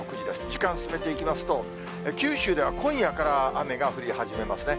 時間進めていきますと、九州では今夜から雨が降り始めますね。